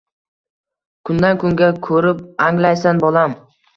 Kundan-kunga ko’rib anglaysan bolam!